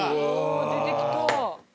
出てきた！